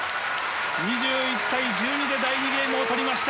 ２１対１２で第２ゲームを取りました。